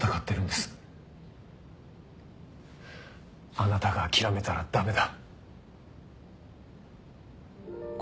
あなたが諦めたら駄目だ。